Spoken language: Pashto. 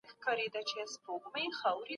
ټولنيزو ځواکونو له ډېر وخته د حقونو غوښتنه کوله.